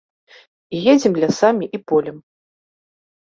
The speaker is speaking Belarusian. Едзем лясамі і полем.